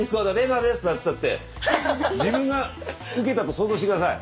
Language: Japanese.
なんつったって自分が受けたと想像してください。